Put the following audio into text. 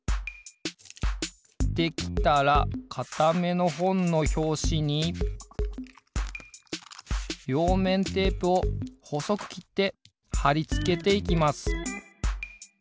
できたらかためのほんのひょうしにりょうめんテープをほそくきってはりつけていきます。